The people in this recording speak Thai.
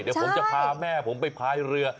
เดี๋ยวผมจะพาแม่ผมไปพายเรือ